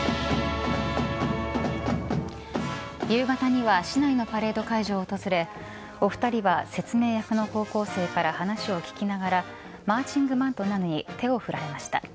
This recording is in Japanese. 夕方には市内のパレード会場を訪れお二人は説明役の高校生から話を聞きながらマーチングバンドらに手を振られました。